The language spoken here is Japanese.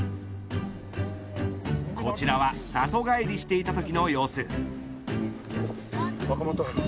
こちらは里帰りしていたときの様子。